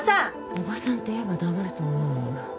おばさんって言えば黙ると思う？